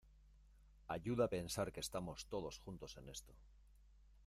ayuda pensar que estamos todos juntos en esto